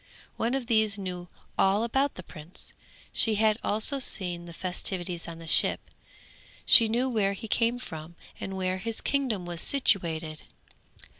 One of these knew all about the prince; she had also seen the festivities on the ship; she knew where he came from and where his kingdom was situated.